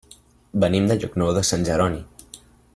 Venim de Llocnou de Sant Jeroni.